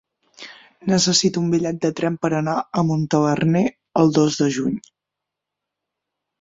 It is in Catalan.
Necessito un bitllet de tren per anar a Montaverner el dos de juny.